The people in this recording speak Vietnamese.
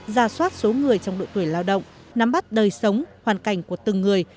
ra soát số người trong độ tuổi lao động nắm bắt đời sống hoàn cảnh của từng người